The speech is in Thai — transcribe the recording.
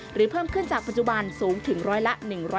เพิ่มขึ้นจากปัจจุบันสูงถึงร้อยละ๑๐